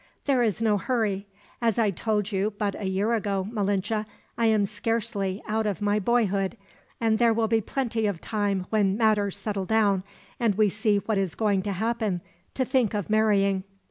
There is no hurry. As I told you but a year ago, Malinche, I am scarcely out of my boyhood; and there will be plenty of time when matters settle down, and we see what is going to happen, to think of marrying."